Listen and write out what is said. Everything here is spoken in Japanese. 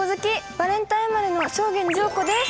バレンタイン生まれの正源司陽子です。